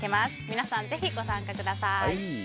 皆さんのぜひ、ご参加ください。